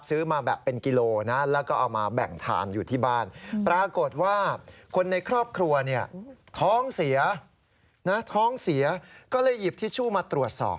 ซื้อมาแบบเป็นกิโลนะแล้วก็เอามาแบ่งทานอยู่ที่บ้านปรากฏว่าคนในครอบครัวเนี่ยท้องเสียท้องเสียก็เลยหยิบทิชชู่มาตรวจสอบ